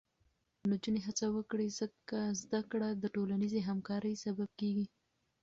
نجونې هڅه وکړي، ځکه زده کړه د ټولنیزې همکارۍ سبب کېږي.